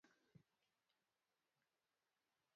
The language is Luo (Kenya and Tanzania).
Jakwath mane ema yalo?